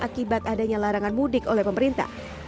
akibat adanya larangan mudik oleh pemerintah